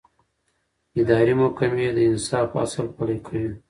اداري محکمې د انصاف اصل پلي کوي.